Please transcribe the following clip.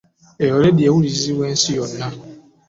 Eyo leediyo ewulirizibwa ensi yonna.